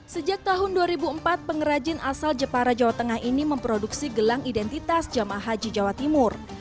sejak tahun dua ribu empat pengrajin asal jepara jawa tengah ini memproduksi gelang identitas jamaah haji jawa timur